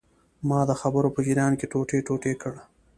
ما د خبرو په جریان کې ټوټې ټوټې کړ.